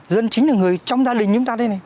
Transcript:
dân chính là người trong gia đình